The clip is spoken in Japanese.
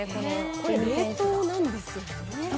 これ冷凍なんですよね？